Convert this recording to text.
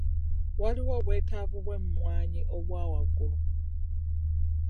Waliwo obwetaavu bw'emmwanyi obwa waggulu.